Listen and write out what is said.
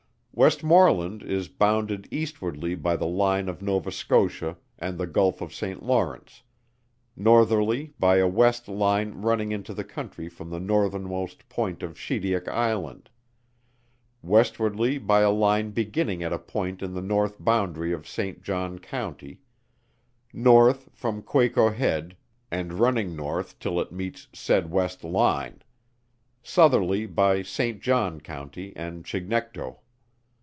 WESTMORLAND. Is bounded eastwardly by the line of Nova Scotia, and the Gulph of St. Lawrence; northerly, by a west line running into the country from the northernmost point of Shediac Island; westwardly, by a line beginning at a point in the north boundary of St. John County; north, from Quaco head, and running north till it meets said west line; southerly, by St. John County and Chignecto.